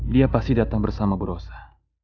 dia pasti datang bersama burosa